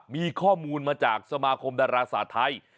มีข้อมูลมาจากสมาคมดาราศาสตร์ไทย